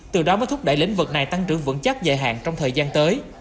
từ đó mới thúc đẩy lĩnh vực này tăng trưởng vững chắc dài hạn trong thời gian tới